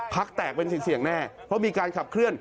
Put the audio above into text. เป็นเสียงแน่เพราะมีการขับเคลื่อน